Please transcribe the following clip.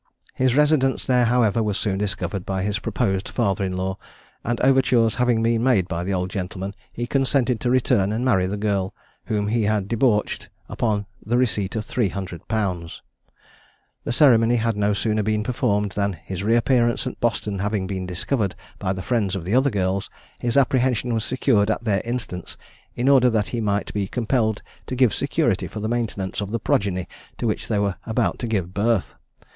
His residence there, however, was soon discovered by his proposed father in law; and overtures having been made by the old gentleman, he consented to return and marry the girl, whom he had debauched, upon the receipt of 300_l._ The ceremony had no sooner been performed, than his re appearance at Boston having been discovered by the friends of the other girls, his apprehension was secured at their instance, in order that he might be compelled to give security for the maintenance of the progeny to which they were about to give birth.